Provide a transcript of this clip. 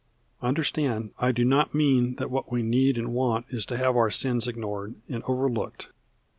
Understand, I do not mean that what we need and want is to have our sins ignored and overlooked.